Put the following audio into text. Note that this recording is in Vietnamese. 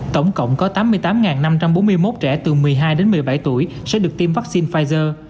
tổng cộng có tám mươi tám năm trăm bốn mươi một trẻ từ một mươi hai đến một mươi bảy tuổi sẽ được tiêm vaccine pfizer